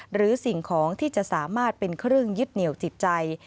สิ่งของที่จะสามารถเป็นเครื่องยึดเหนียวจิตใจ